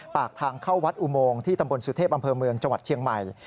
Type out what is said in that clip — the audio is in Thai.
ปากทางเข้าวัดอุโมงที่ตำบลสุเทพอำเภอเมืองจังหวัดเชียงใหม่